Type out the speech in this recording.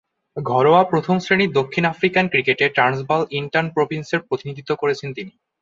ঘরোয়া প্রথম-শ্রেণীর দক্ষিণ আফ্রিকান ক্রিকেটে ট্রান্সভাল, ইস্টার্ন প্রভিন্সের প্রতিনিধিত্ব করেছেন তিনি।